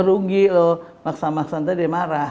rugi loh maksa maksa nanti dia marah